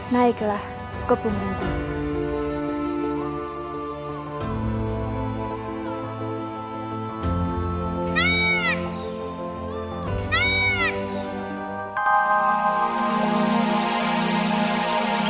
naiklah ke punggungku